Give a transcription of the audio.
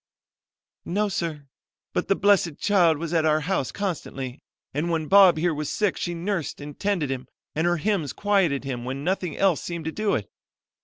"No, sir; but the blessed child was at our house constantly, and when Bob here was sick she nursed and tended him and her hymns quieted him when nothing else seemed to do it.